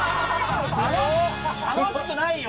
楽しくないよ！